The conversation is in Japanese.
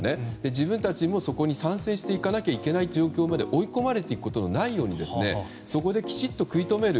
自分たちもそこに参戦していかなければいけない状況に追い込まれることのないようにそこできちんと食い止める。